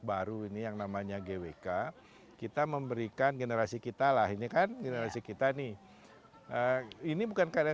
baru ini yang namanya gwk kita memberikan generasi kita lah ini kan generasi kita nih ini bukan karya